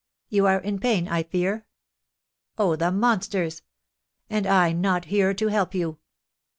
You are in pain, I fear? Oh, the monsters! And I not here to help you!"